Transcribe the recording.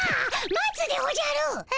待つでおじゃる。え？